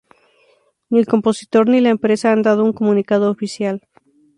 Ni el compositor ni la empresa han dado un comunicado oficial.